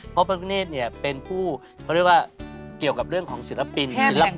เพราะพระพิเนธเนี่ยเป็นผู้เขาเรียกว่าเกี่ยวกับเรื่องของศิลปินศิลปะ